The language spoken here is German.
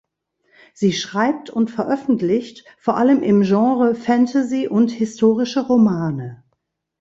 Sie schreibt und veröffentlicht vor allem im Genre Fantasy und Historische Romane.